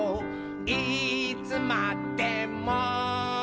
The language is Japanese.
いつまでも」